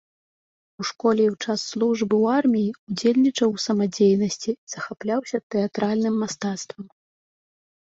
У школе і ў час службы ў арміі ўдзельнічаў у самадзейнасці, захапляўся тэатральным мастацтвам.